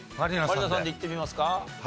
満里奈さんでいってみますか？